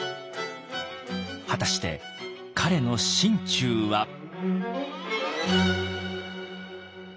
果たして彼の心中は？